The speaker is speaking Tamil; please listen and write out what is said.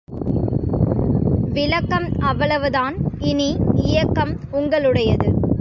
விளக்கம் அவ்வளவுதான் இனி இயக்கம் உங்களுடையது.